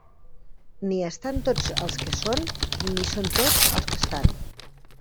Ni estan tots els que són, ni són tots els que estan.